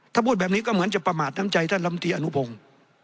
ถ้าพูดแบบนี้ก็เหมือนจะประมาทน้ำใจท่านลำตีอนุพงศ์